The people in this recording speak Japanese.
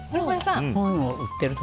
本を売っている所。